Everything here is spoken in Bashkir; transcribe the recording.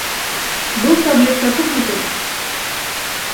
Был таблетка күпме тора?